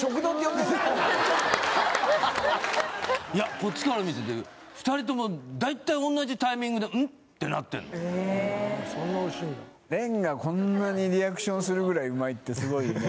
こっちから見てて２人とも大体同じタイミングで「うん？」ってなってんの・へえ・そんなおいしいんだ蓮がこんなにリアクションするぐらいうまいってスゴいよね